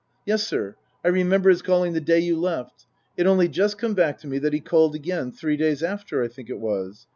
" Yes, sir, I remember 'is calling the day you left. It's only just come back to me that he called again, three days after, I think it was.